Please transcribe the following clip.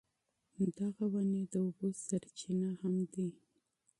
دغه ونې د اوبو سرچینه هم دي.